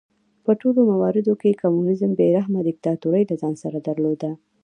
په ټولو مواردو کې کمونېزم بې رحمه دیکتاتورۍ له ځان سره درلود.